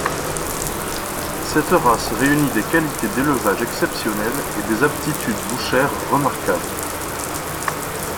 Cette race réunit des qualités d’élevage exceptionnelles et des aptitudes bouchères remarquables.